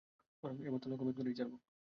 এবার তো লক্ষ্যভেদ করেই ছাড়ব!